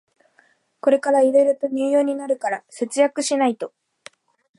これからいろいろと入用になるから節約しないと